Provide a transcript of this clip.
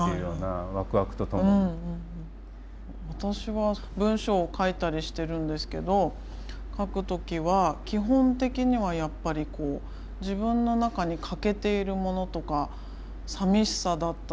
私は文章を書いたりしてるんですけど書く時は基本的にはやっぱりこう自分の中に欠けているものとかさみしさだったり